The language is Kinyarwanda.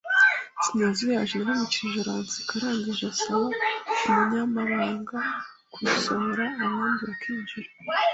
Sinazuyaje naramwikirije aranseka arangije asaba umunyamabanga kunsohora abandi bakinjira,